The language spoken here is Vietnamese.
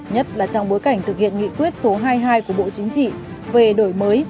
nhất là trong bối cảnh thực hiện nghị quyết số hai mươi hai của bộ chính trị về đổi mới